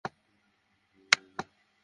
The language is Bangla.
আরে, ওসব মেনে নাও।